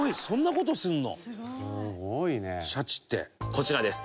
「こちらです。